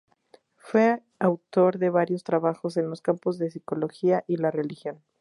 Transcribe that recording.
Fue autor de varios trabajos en los campos de la Psicología y la religión.